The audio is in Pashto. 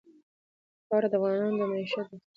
واوره د افغانانو د معیشت سرچینه ده.